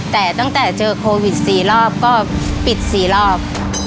แต่ตั้งแต่เจอโควิด๔รอบก็ปิด๔รอบ